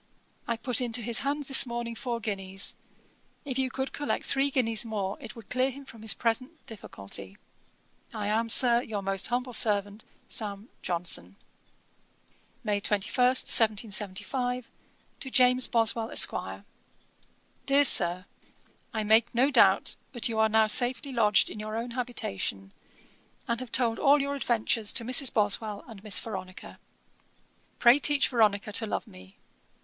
I put into his hands this morning four guineas. If you could collect three guineas more, it would clear him from his present difficulty. 'I am, Sir, 'Your most humble servant, 'SAM. JOHNSON.' 'May 21, 1775.' 'To JAMES BOSWELL, ESQ. 'DEAR SIR, 'I make no doubt but you are now safely lodged in your own habitation, and have told all your adventures to Mrs. Boswell and Miss Veronica. Pray teach Veronica to love me.